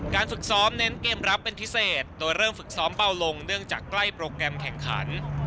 ฝึกซ้อมเน้นเกมรับเป็นพิเศษโดยเริ่มฝึกซ้อมเบาลงเนื่องจากใกล้โปรแกรมแข่งขัน